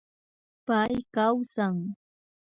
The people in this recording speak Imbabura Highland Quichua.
Pay kawsan